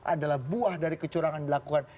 adalah buah dari kecurangan dilakukan